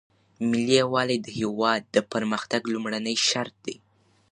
ملي یووالی د هیواد د پرمختګ لومړنی شرط دی.